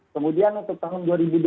kemudian untuk tahun dua ribu dua puluh